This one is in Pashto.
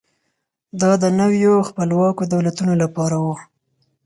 دا د نویو خپلواکو دولتونو لپاره و.